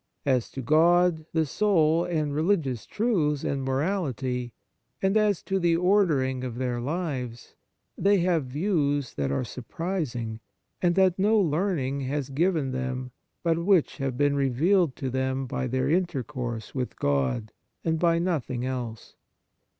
As to God, the soul, and religious truths and morality, and as to the ordering of their lives, they have views that are surprising, and that no learning has given them, but which have been re * Gal. iii. n. 133 On Piety vealed to them by their intercourse with God, and by nothing else.